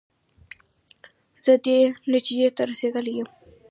زه دې نتیجې ته رسېدلی یم.